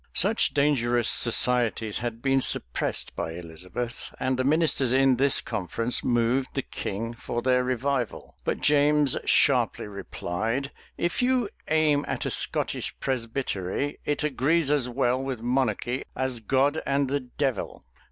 Such dangerous societies had been suppressed by Elizabeth; and the ministers in this conference moved the king for their revival. But James sharply replied, "If you aim at a Scottish presbytery, it agrees as well with monarchy as God and the devil.